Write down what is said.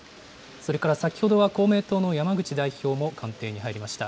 それから先ほどは公明党の山口代表も官邸に入りました。